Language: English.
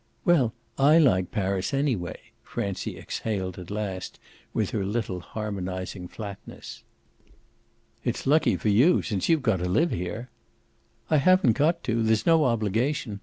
"Well, I like Paris anyway!" Francie exhaled at last with her little harmonising flatness. "It's lucky for you, since you've got to live here." "I haven't got to; there's no obligation.